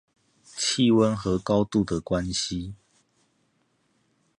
氣溫和高度的關係